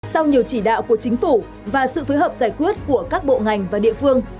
sau nhiều chỉ đạo của chính phủ và sự phối hợp giải quyết của các bộ ngành và địa phương